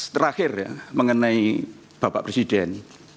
terakhir ya mengenai bapak presiden